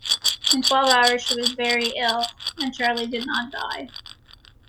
In twelve hours she was very ill. And Charley did not die.